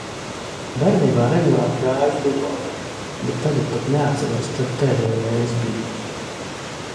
Bērnībā regulāri gāju uz bibliotēku, bet tagad pat neatceros, kad pēdējo reizi biju.